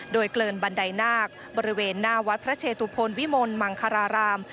โดยเกลินบันไดนาคบริเวณหน้าวัดพระเชตุพลวิมลมังคาราราม